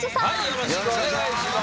よろしくお願いします。